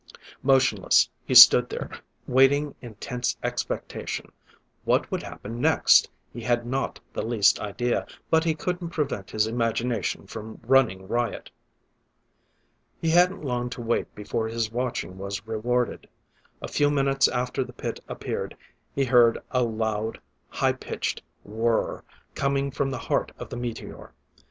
Motionless he stood there, waiting in tense expectation. What would happen next, he had not the least idea, but he couldn't prevent his imagination from running riot. He hadn't long to wait before his watching was rewarded. A few minutes after the pit appeared, he heard a loud, high pitched whir coming from the heart of the meteor.